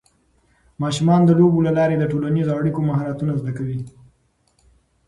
ماشومان د لوبو له لارې د ټولنیزو اړیکو مهارتونه زده کوي.